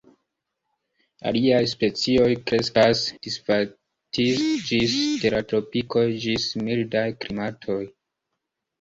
Aliaj specioj kreskas, disvastiĝis de la tropikoj ĝis mildaj klimatoj.